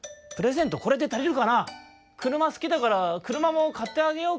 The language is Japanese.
くるますきだからくるまもかってあげようか？」。